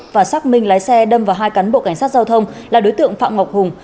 và xác minh lái xe đâm vào hai cán bộ cảnh sát giao thông là đối tượng phạm ngọc hùng